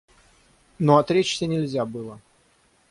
Но отречься нельзя было.